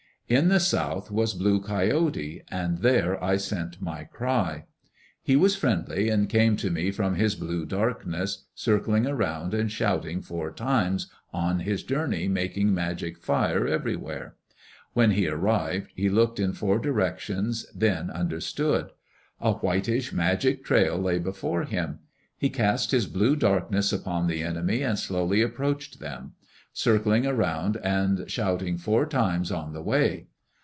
In the south was Blue Coyote and there I sent my cry. He was friendly and came to me from his blue darkness, circling around and shouting, four times, on his journey, making magic fire everywhere. When he arrived, he looked in four directions, then understood. A whitish magic trail lay before him. He cast his blue darkness upon the enemy and slowly approached them, circling around and shouting four times on the way.